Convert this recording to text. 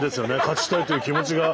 勝ちたいという気持ちが。